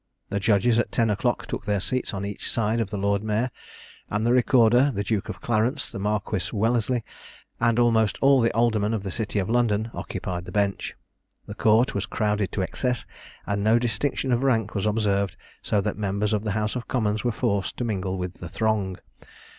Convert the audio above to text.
The judges at ten o'clock took their seats on each side of the lord mayor; and the recorder, the Duke of Clarence, the Marquis Wellesley, and almost all the aldermen of the city of London, occupied the bench. The court was crowded to excess, and no distinction of rank was observed; so that members of the house of commons were forced to mingle in the throng.